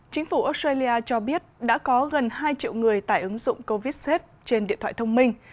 chính phủ australia cho biết đã có gần hai triệu người tải ứng dụng covidsafe trên điện thoại thông minh